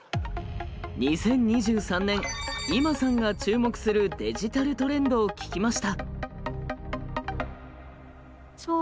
２０２３年ｉｍｍａさんが注目するデジタルトレンドを聞きました。